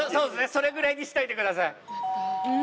それくらいにしといてください。